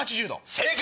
正解！